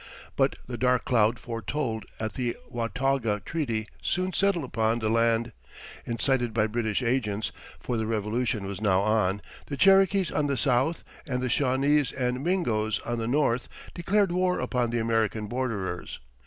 But the "dark cloud" foretold at the Watauga treaty soon settled upon the land. Incited by British agents for the Revolution was now on the Cherokees on the south and the Shawnese and Mingos on the north declared war upon the American borderers.